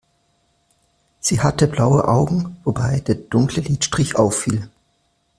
Sie hatte blaue Augen, wobei der dunkle Lidstrich auffiel.